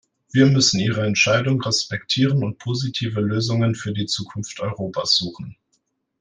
Wir müssen ihre Entscheidung respektieren und positive Lösungen für die Zukunft Europas suchen.